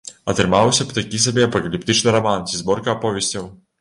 Атрымаўся б такі сабе апакаліптычны раман ці зборка аповесцяў.